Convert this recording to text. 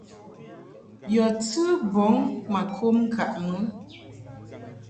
Yɔ̀ tɨ bɔŋ mà kom ŋkàʼ mɨ.